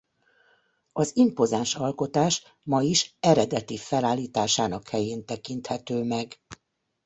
Az impozáns alkotás ma is eredeti felállításának helyén tekinthető meg.